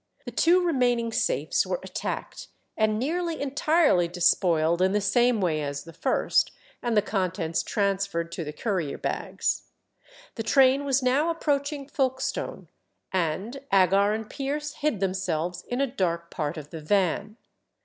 The two remaining safes were attacked and nearly entirely despoiled in the same way as the first, and the contents transferred to the courier bags. The train was now approaching Folkestone, and Agar and Pierce hid themselves in a dark part of the van.